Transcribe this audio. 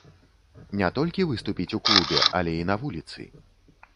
Не толькі выступіць у клубе, але і на вуліцы.